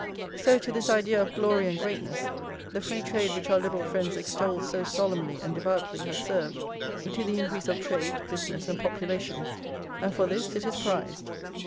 So to this idea of glory and greatness the free trade which our Liberal friends extol so solemnly and devoutly has served, to the increase of trade, business, and population; and for this it is prized.